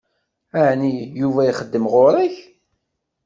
Ɛni Yuba ixeddem ɣur-k?